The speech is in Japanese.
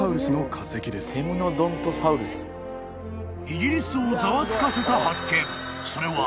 ［イギリスをざわつかせた発見それは］